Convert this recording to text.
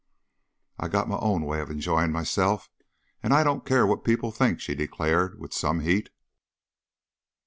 "I got my own way of enjoyin' myself, an' I don't care what people think," she declared, with some heat.